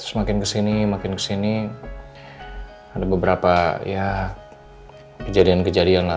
semakin kesini makin kesini ada beberapa ya kejadian kejadian lah